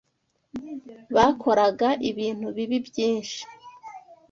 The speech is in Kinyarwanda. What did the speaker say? Bakoraga ibintu bibi byinshi